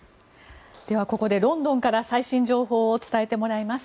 では、ここでロンドンから最新情報を伝えてもらいます。